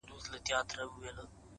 د نورو خوشالي خپله خوشالي زیاتوي!